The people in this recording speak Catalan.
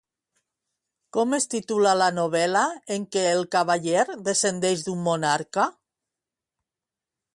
Com es titula la novel·la en què el cavaller descendeix d'un monarca?